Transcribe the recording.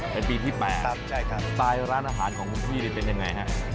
เป็นปีที่๘สไตล์ร้านอาหารของคุณพี่เป็นอย่างไรครับ